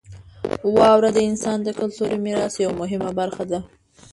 واوره د افغانستان د کلتوري میراث یوه مهمه برخه ده.